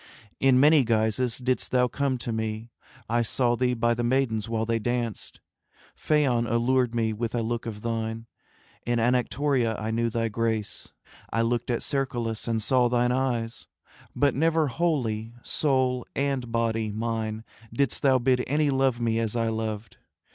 In many guises didst thou come to me; I saw thee by the maidens while they danced, Phaon allured me with a look of thine, In Anactoria I knew thy grace, I looked at Cercolas and saw thine eyes; But never wholly, soul and body mine, Didst thou bid any love me as I loved.